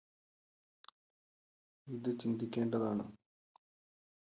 ഇത് ചിന്തിക്കേണ്ടതാണ്